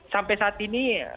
sampai saat ini